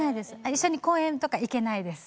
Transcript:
一緒に公園とか行けないです。